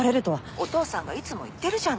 お父さんがいつも言ってるじゃない。